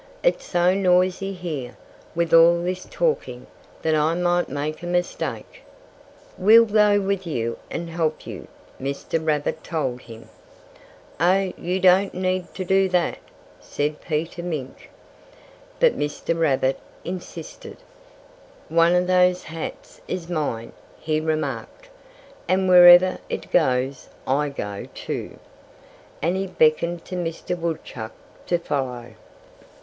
"It's so noisy here, with all this talking, that I might make a mistake." "We'll go with you and help you," Mr. Rabbit told him. "Oh, you don't need to do that," said Peter Mink. But Mr. Rabbit insisted. "One of those hats is mine," he remarked. "And wherever it goes, I go, too," And he beckoned to Mr. Woodchuck to follow.